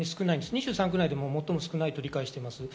２３区で最も少ないと理解してます。